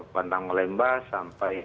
bantang molemba sampai